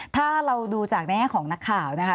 ถ้าเราดูจากในแง่ของนักข่าวนะคะ